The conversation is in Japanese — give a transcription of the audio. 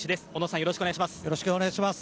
よろしくお願いします。